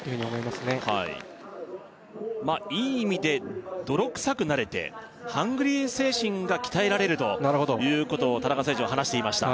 まっいい意味で泥臭くなれてハングリー精神が鍛えられるとなるほどいうことを田中選手は話していました